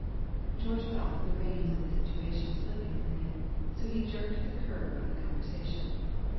George felt the reins of the situation slipping from him, so he jerked the curb of conversation.